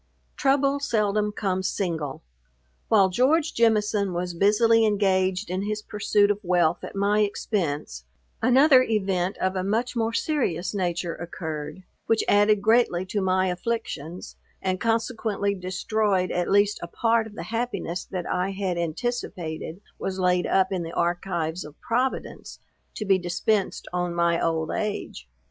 Trouble seldom comes single. While George Jemison was busily engaged in his pursuit of wealth at my expence, another event of a much more serious nature occurred, which added greatly to my afflictions, and consequently destroyed, at least a part of the happiness that I had anticipated was laid up in the archives of Providence, to be dispensed on my old age.